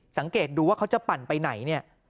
สังเกตดูว่าเขาจะปั่นไปไหนเนี่ย